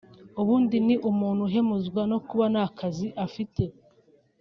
ubundi ni umuntu uhemuzwa no kuba nta kazi afite